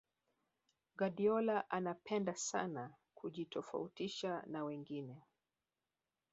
guardiola anapenda sana kujitofautisha na wengine